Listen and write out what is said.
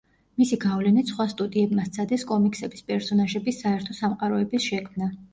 მისი გავლენით სხვა სტუდიებმა სცადეს კომიქსების პერსონაჟების საერთო სამყაროების შექმნა.